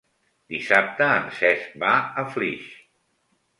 Dissabte en Cesc va a Flix.